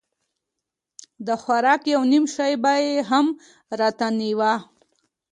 د خوراک يو نيم شى به يې هم راته رانيوه.